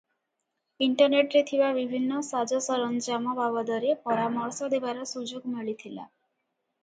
ଇଣ୍ଟରନେଟରେ ଥିବା ବିଭିନ୍ନ ସାଜସରଞ୍ଜାମ ବାବଦରେ ପରାମର୍ଶ ଦେବାର ସୁଯୋଗ ମିଳିଥିଲା ।